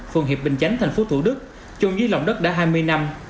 phường hiệp bình chánh thành phố thủ đức chung dưới lòng đất đã hai mươi năm